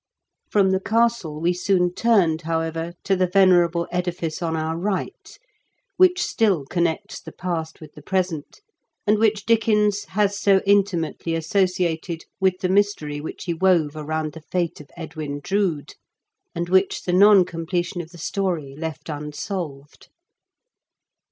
From the castle we soon turned, however, to the venerable edifice on our right, which still connects the past with the present, and which Dickens has so intimately associated with the mystery which he wove around the fate of Edwin Drood, and which the non completion of the story left unsolved.